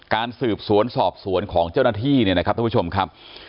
การสืบสวนสอบสวนของเจ้าหน้าที่เนี่ยนะครับท่านผู้ชมครับ